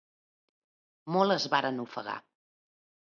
Molt es varen ofegar.